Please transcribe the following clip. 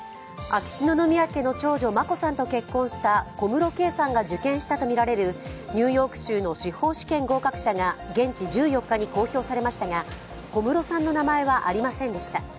秋篠宮家の長女、眞子さんと結婚した小室圭さんが受験したとみられるニューヨーク州の司法試験合格者が現地１４日に公表されましたが、小室さんの名前はありませんでした。